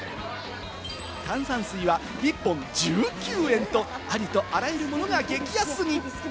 炭酸水は１本１９円と、ありとあらゆるものが激安に！